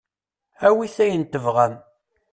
Awit ayen tebɣam.